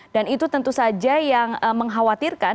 dan itu tentu saja yang mengkhawatirkan